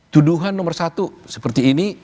tuduhan nomor satu seperti ini